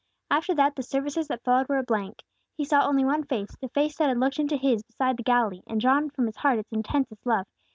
After that, the services that followed were a blank. He saw only one face, the face that had looked into his beside the Galilee, and drawn from his heart its intensest love.